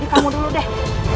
kamu dulu deh